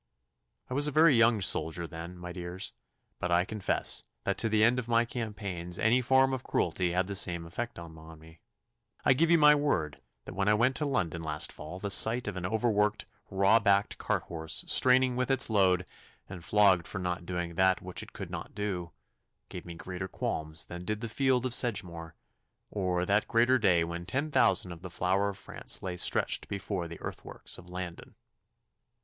I was a very young soldier then, my dears, but I confess that to the end of my campaigns any form of cruelty had the same effect upon me. I give you my word that when I went to London last fall the sight of an overworked, raw backed cart horse straining with its load, and flogged for not doing that which it could not do, gave me greater qualms than did the field of Sedgemoor, or that greater day when ten thousand of the flower of France lay stretched before the earthworks of Landen.